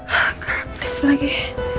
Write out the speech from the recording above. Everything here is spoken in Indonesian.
hah kaptif lagi